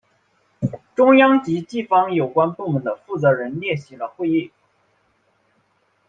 中央及地方有关部门的负责人列席了会议。